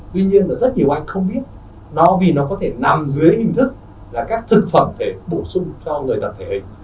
tuy nhiên là rất nhiều anh không biết nó vì nó có thể nằm dưới hình thức là các thực phẩm để bổ sung cho người tập thể hình